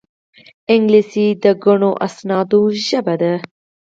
انګلیسي د ګڼو اسنادو ژبه ده